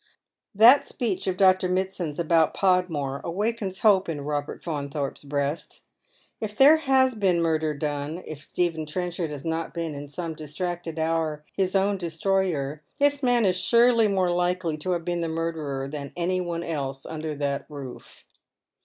That speech of Dr. Mitsand's about Podmore a^^ akens hope in Robert Faunthorpe's breast. If there has been murder done, if Stephen Trenchard has not been in some distracted hour his own destroyer, this man is surely more likely to have been the murderer than any one else under that roof.